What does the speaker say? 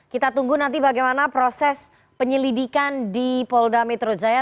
kita tunggu nanti bagaimana proses penyelidikan di polda metro jaya